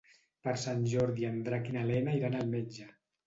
Per Sant Jordi en Drac i na Lena iran al metge.